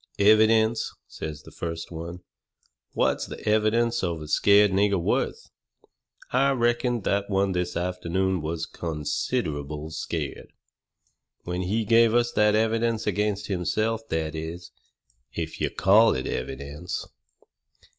"Evidence!" says the first one. "What's the evidence of a scared nigger worth?" "I reckon that one this afternoon was considerable scared, when he give us that evidence against himself that is, if you call it evidence."